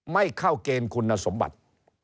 ไม่เข้าเกณฑ์คุณสมบัติ